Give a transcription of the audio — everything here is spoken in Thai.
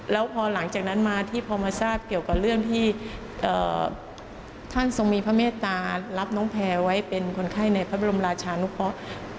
แล้วพอหลังจากนั้นมาที่พอมาทราบเกี่ยวกับเรื่องที่ท่านทรงมีพระเมตตารับน้องแพรไว้เป็นคนไข้ในพระบรมราชานุเคราะห์